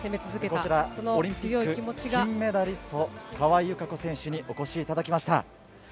こちら、オリンピック金メダリスト、川井友香子選手にお越しいただきました。